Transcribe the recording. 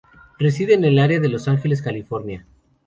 Reside en el área de Los Ángeles, California.